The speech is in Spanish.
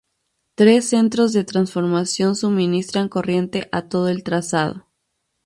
Tres centros de transformación suministran corriente a todo el trazado.